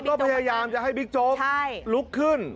ก็พยายามจะให้บิ๊กโจ๊กลุกขึ้น